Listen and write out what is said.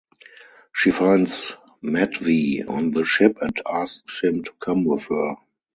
She finds Matvey on the ship and asks him to come with her.